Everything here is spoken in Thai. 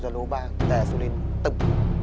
ก็รู้บ้างแต่สุรินทร์ตึ๊บ